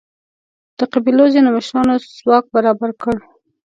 د قبیلو ځینو مشرانو ځواک برابر کړ.